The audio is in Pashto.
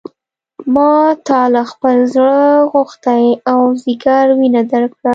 ما تا له خپل زړه غوښې او ځیګر وینه درکړه.